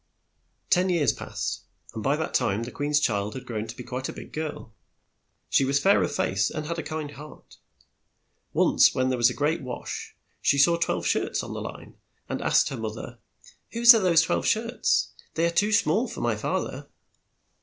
Ten years passed, and by that time the queen's child had grown to be quite a big girl. She was fair of face, and had a kind heart. Once, when there was a great wash, she saw twelve shirts on the line, and she asked her moth er, "Whose are those twelve shirts? They are too small for my fa ther.